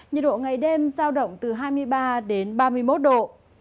nhiệt độ ngày đêm giao động từ hai mươi ba đến ba mươi một độ